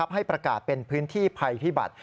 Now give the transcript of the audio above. ให้ประกาศเป็นพื้นที่ภัยพิบัติ